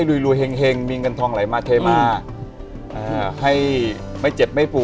ล้านเท่าไรครับ